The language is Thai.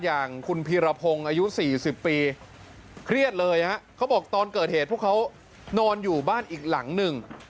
อย่างคุณพีรพงศ์อายุ๔๐ปีเครียดเลยฮะเขาบอกตอนเกิดเหตุพวกเขานอนอยู่บ้านอีกหลังหนึ่ง